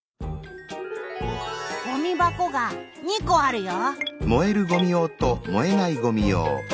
ごみばこが２こあるよ！